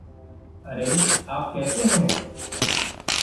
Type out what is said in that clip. अरे आप कैसे हैं